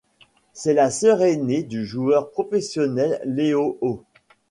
C'est la sœur aînée du joueur professionnel Leo Au.